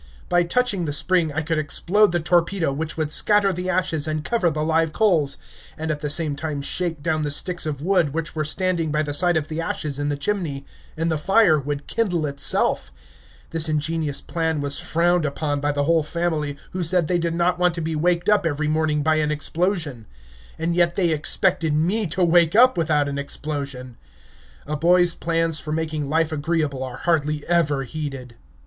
By touching the spring I could explode the torpedo, which would scatter the ashes and cover the live coals, and at the same time shake down the sticks of wood which were standing by the side of the ashes in the chimney, and the fire would kindle itself. This ingenious plan was frowned on by the whole family, who said they did not want to be waked up every morning by an explosion. And yet they expected me to wake up without an explosion! A boy's plans for making life agreeable are hardly ever heeded.